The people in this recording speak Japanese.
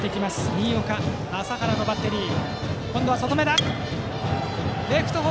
新岡、麻原のバッテリー。